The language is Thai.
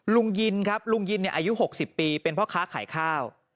ลุงยินครับลุงยินเนี่ยอายุหกสิบปีเป็นพ่อค้าขายข้าว